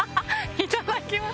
いただきます。